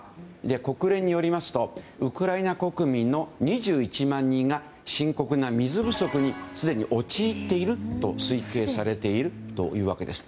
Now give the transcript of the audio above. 国連によりますとウクライナ国民の２１万人が深刻な水不足にすでに陥っていると推定されているというわけです。